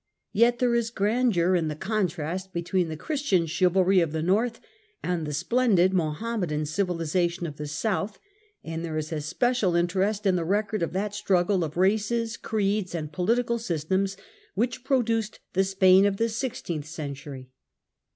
Yet there is grandeur in the contrast between the Christian chivalry of the north and the splendid Mohammedan civilization of the south, and there is a special interest in the record of that struggle of races, creeds, and political systems which produced the Spain of the sixteenth century.